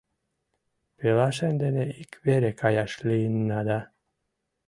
«Пелашем дене ик вере каяш лийынна да...».